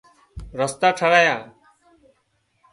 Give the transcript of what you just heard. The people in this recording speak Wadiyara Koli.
رستا ٺاهيا